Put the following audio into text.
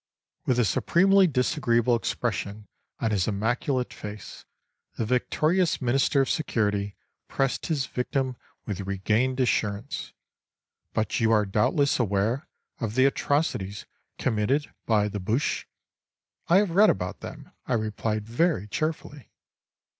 With a supremely disagreeable expression on his immaculate face the victorious minister of security pressed his victim with regained assurance: "But you are doubtless aware of the atrocities committed by the boches?" "I have read about them," I replied very cheerfully.